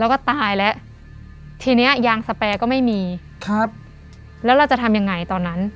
แล้วก็ตายแล้วทีเนี้ยยางสแปรก็ไม่มีครับแล้วเราจะทำยังไงตอนนั้น